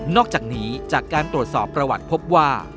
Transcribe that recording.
อกจากนี้จากการตรวจสอบประวัติพบว่า